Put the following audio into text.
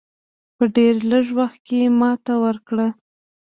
په ډېر لږ وخت کې ماته ورکړه.